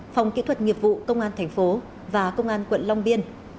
phòng kỹ thuật nghiệp vụ công an thành phố và công an quận long biên